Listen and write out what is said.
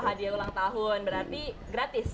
hadiah ulang tahun berarti gratis